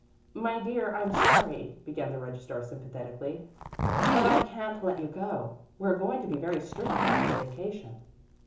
"My dear, I'm sorry," began the registrar sympathetically, "but I can't let you go. We're going to be very strict about this vacation.